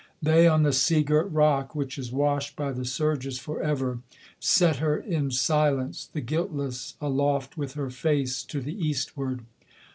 They on the sea girt rock, which is washed by the surges for ever, Set her in silence, the guiltless, aloft with her face to the eastward.